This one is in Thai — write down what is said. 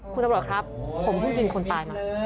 คุณตำรวจครับผมเพิ่งยิงคนตายมา